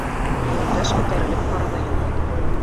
Юлдаш күтәрелеп ҡарамай ғына: